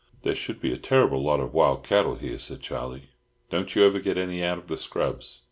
"There should be a terrible lot of wild cattle here," said Charlie. "Don't you ever get any out of the scrubs?"